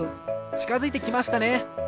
ちかづいてきましたね。